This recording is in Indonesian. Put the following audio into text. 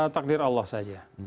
takdir allah saja